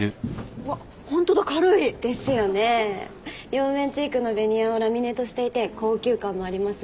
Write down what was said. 両面チークのベニヤをラミネートしていて高級感もあります。